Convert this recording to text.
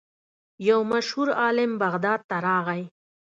یو مشهور عالم بغداد ته راغی.